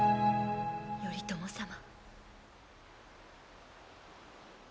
頼朝様。